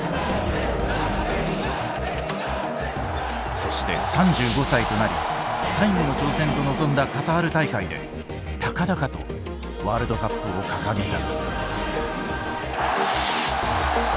そして３５歳となり「最後の挑戦」と臨んだカタール大会で高々とワールドカップを掲げた。